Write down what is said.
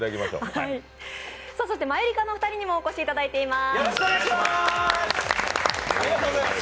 そしてマユリカのお二人にもお越しいただいています。